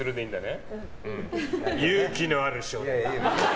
勇気のある少年だ。